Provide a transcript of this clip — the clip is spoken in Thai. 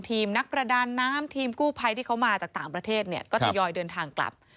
ทีมนักประดานน้ำทีมกู้ภัยที่เขามาจากต่างประเทศเนี่ยก็ทยอยเดินทางกลับ